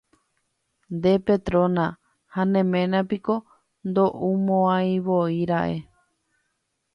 nde Petrona, ha ne ména piko ndoumo'ãivoira'e